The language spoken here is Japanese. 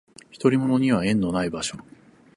独り者には縁のない場所